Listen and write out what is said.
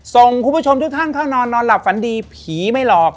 ส่งคุณผู้ชมทุกท่านเข้านอนนอนหลับฝันดีผีไม่หลอก